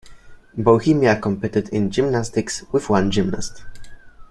Bohemia competed in gymnastics, with one gymnast.